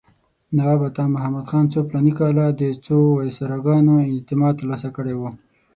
نواب عطامحمد خان څو فلاني کاله د څو وایسراګانو اعتماد ترلاسه کړی و.